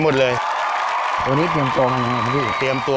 ดีเจนุ้ยสุดจีลา